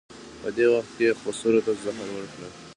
په دې وخت کې یې خسرو ته زهر ورکړل.